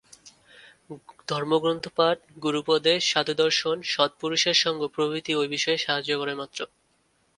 ধর্মগ্রন্থপাঠ, গুরূপদেশ, সাধুদর্শন, সৎপুরুষের সঙ্গ প্রভৃতি ঐ বিষয়ে সাহায্য করে মাত্র।